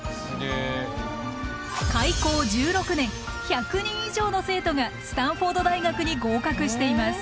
開校１６年１００人以上の生徒がスタンフォード大学に合格しています。